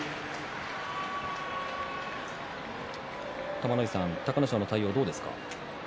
玉ノ井さん隆の勝の対応はどうですか？